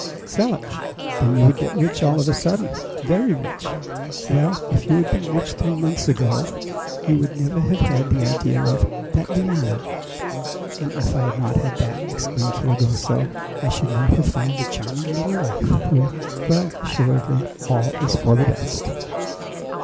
"Sell it!" "Then you would get rich all of a sudden!" "Very rich!" "Well, if you had been rich three months ago you would never have had the idea of that liana!" "And if I had not had that," exclaimed Fragoso, "I should not have found a charming little wife who well, assuredly, all is for the best!"